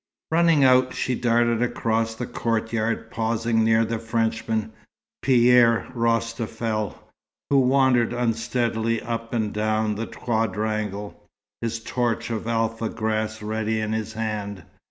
Running out, she darted across the courtyard, pausing near the Frenchman, Pierre Rostafel, who wandered unsteadily up and down the quadrangle, his torch of alfa grass ready in his hand.